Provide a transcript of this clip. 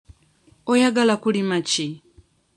Oyagala kulima ki?